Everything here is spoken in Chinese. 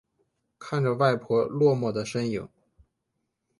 看着外婆落寞的身影